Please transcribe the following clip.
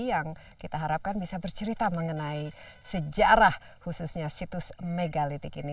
yang kita harapkan bisa bercerita mengenai sejarah khususnya situs megalitik ini